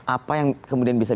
apa yang kemudian bisa